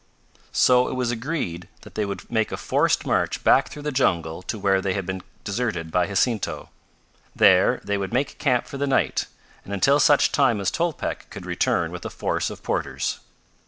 So it was agreed that they would make a forced march back through the jungle to where they had been deserted by Jacinto. There they would make camp for the night, and until such time as Tolpec could return with a force of porters.